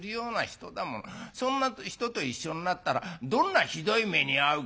そんな人と一緒になったらどんなひどい目に遭うか」。